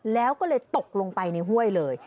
แล้วก็เลยตกลงไปในห้วยเลย